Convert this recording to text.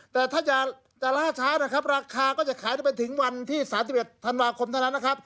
แต่ถ้าจะล่าช้านะครับราคาก็จะขายได้ไปถึงวันที่๓๑ธันวาคมเท่านั้นนะครับ